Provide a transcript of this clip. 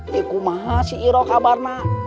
teguh mahasiswa kabarnya